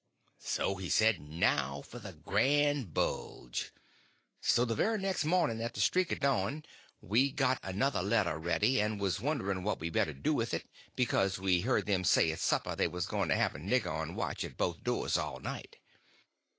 So he said, now for the grand bulge! So the very next morning at the streak of dawn we got another letter ready, and was wondering what we better do with it, because we heard them say at supper they was going to have a nigger on watch at both doors all night.